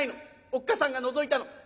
おっ母さんがのぞいたの。